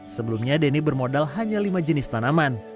sebelumnya denny bermodal hanya lima jenis tanaman